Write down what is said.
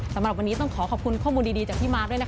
สำหรับวันนี้ต้องขอขอบคุณข้อมูลดีจากพี่มาร์คด้วยนะคะ